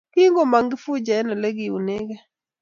Kingomong Kifuja eng Ole kiunekei